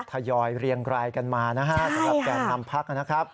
ทยอยเรียงรายกันมานะฮะสำหรับแก่นนำพักนะครับ